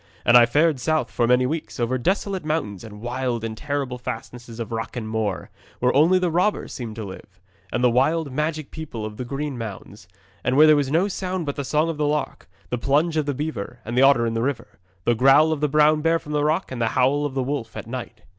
And I fared south for many weeks, over desolate mountains and wild and terrible fastnesses of rock and moor, where only the robber seemed to live, and the wild, magic people of the green mounds, and where there was no sound but the song of the lark, the plunge of the beaver and otter in the river, the growl of the brown bear from the rock, and the howl of the wolf at night.